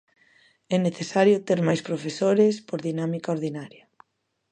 É necesario ter máis profesores por dinámica ordinaria.